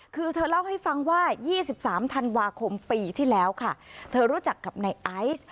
คือเธอเล่าให้ฟังว่า๒๓ธันวาคมปีที่แล้วค่ะเธอรู้จักกับในไอซ์